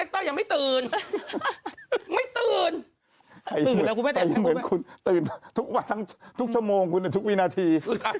เออเมื่อเช้าเข้าไป